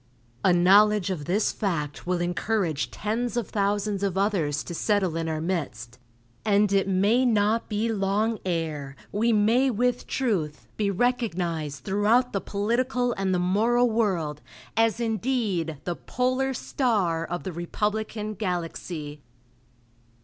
A knowledge of this fact will encourage tens of thousands of others to settle in our midst, and it may not be long ere we may with truth be recognized throughout the political and the moral world as indeed the "Polar Star" of the republican galaxy....